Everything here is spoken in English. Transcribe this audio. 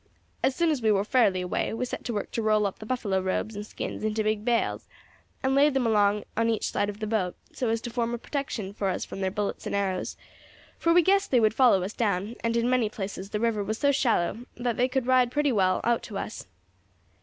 As soon as we war fairly away, we set to work to roll up the buffalo robes and skins into big bales, and lay them along on each side of the boat, so as to form a protection for us from their bullets and arrows; for we guessed they would follow us down, and in many places the river was so shallow they could ride pretty well out to us.